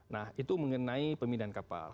nah itu mengenai pemindahan kapal